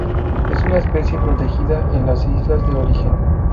Es una especie protegida en las islas de origen.